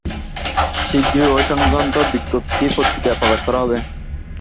শিগগির এ সংক্রান্ত বিজ্ঞপ্তি পত্রিকায় প্রকাশ করা হবে।